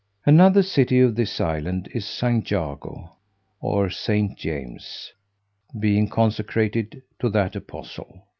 Another city of this island is San Jago, or St. James, being consecrated to that apostle.